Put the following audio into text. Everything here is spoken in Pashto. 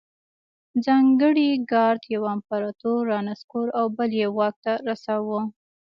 ځانګړي ګارډ یو امپرتور رانسکور او بل یې واک ته رساوه.